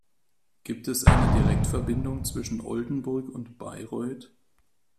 Gibt es eine Direktverbindung zwischen Oldenburg und Bayreuth?